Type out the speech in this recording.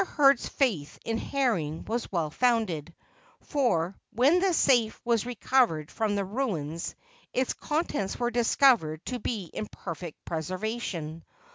Hurd's faith in Herring was well founded; for, when the safe was recovered from the ruins, its contents were discovered to be in perfect preservation.